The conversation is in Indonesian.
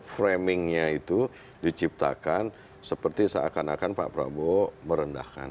framingnya itu diciptakan seperti seakan akan pak prabowo merendahkan